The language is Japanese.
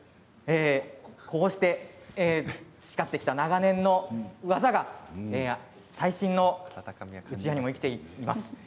こうして培ってきた長年の技が最新のうちわにも生きています。